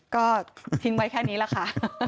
ก็ทิ้งไว้แค่นี้แหละค่ะ